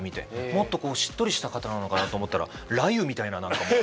もっとしっとりした方なのかなと思ったら雷雨みたいな何かもう。